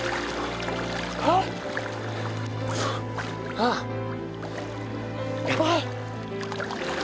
あっやばい！